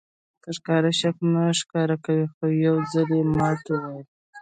په ښکاره شک نه ښکاره کوي خو یو ځل یې ماته وویل.